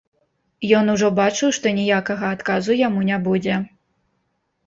Ён ужо бачыў, што ніякага адказу яму не будзе.